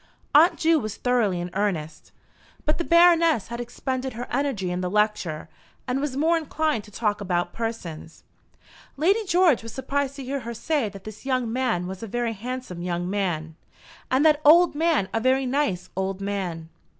Aunt Ju was thoroughly in earnest; but the Baroness had expended her energy in the lecture, and was more inclined to talk about persons. Lady George was surprised to hear her say that this young man was a very handsome young man, and that old man a very nice old man.